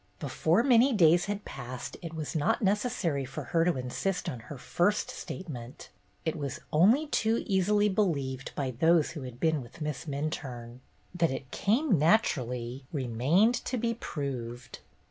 Before many days had passed it was not necessary for her to insist on her first state ment. It was only too easily believed by those who had been with Miss Minturne. That "it came naturally" remained to be proved.